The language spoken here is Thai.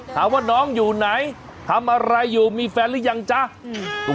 ถามว่าน้องอยู่ไหนทำอะไรอยู่มีแฟนหรือยังจ๊ะ